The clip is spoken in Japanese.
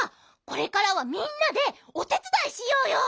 これからはみんなでおてつだいしようよ。